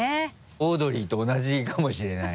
オードリーと同じかもしれない。